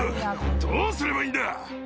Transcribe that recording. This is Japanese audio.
どうすればいいんだ。